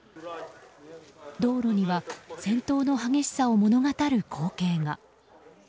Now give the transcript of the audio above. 道路には戦闘の激しさを物語る光景が。